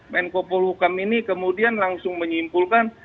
menkopul hukam ini kemudian langsung menyimpulkan